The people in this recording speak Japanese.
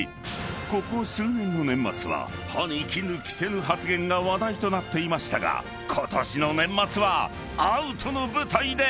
［ここ数年の年末は歯に衣着せぬ発言が話題となっていましたがことしの年末は］